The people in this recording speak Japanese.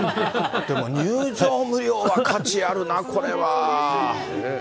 でも入場無料は価値あるな、これは。